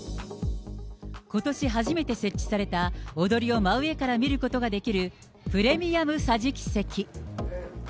ことし初めて設置された、踊りを真上から見ることができるプレミアム桟敷席。